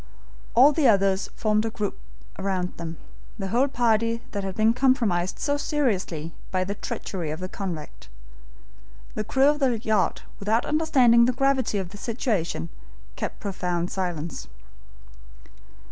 All the others formed a group round them, the whole party that had been compromised so seriously by the treachery of the convict. The crew of the yacht, without understanding the gravity of the situation, kept profound silence.